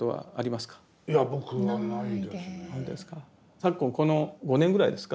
昨今この５年ぐらいですか。